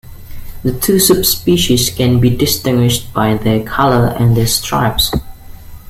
The two subspecies can be distinguished by their color and their stripes.